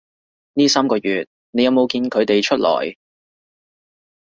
呢三個月你有冇見佢哋出來